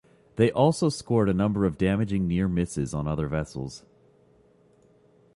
They also scored a number of damaging near misses on other vessels.